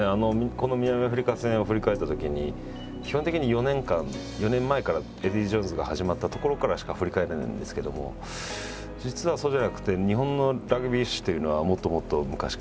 この南アフリカ戦を振り返ったときに基本的に４年間４年前からエディージョーンズが始まったところからしか振り返れないんですけども実はそうじゃなくて日本のラグビー史というのはもっともっと昔からあって。